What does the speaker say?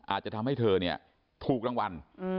อาจจะทำให้เธอเนี่ยถูกรางวัล